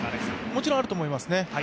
もちろんあると思いますね。